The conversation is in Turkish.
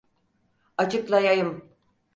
Açıklayayım.